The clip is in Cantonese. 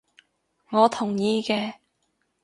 我同意嘅